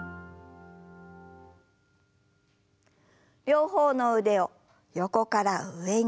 両方の腕を横から上に。